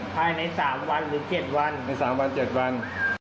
ภายในสามวันหรือเจ็ดวันในสามวันเจ็ดวัน